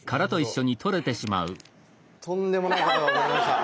とんでもないことが起こりました。